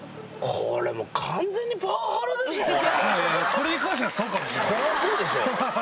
これに関してはそうかもしれない。